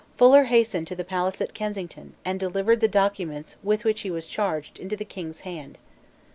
Fuller hastened to the palace at Kensington, and delivered the documents with which he was charged into the King's hand.